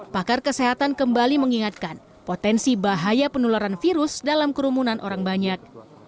pakar kesehatan kembali mengingatkan potensi bahaya penularan virus dalam kerumunan orang banyak